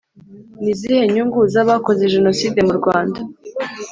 ni izihe nyungu z’abakoze jenoside mu rwanda?